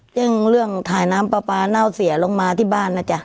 เรื่องถ่ายน้ำปลาปลาเน่าเสียลงมาที่บ้านนะจ๊ะ